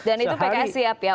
dan itu pks siap ya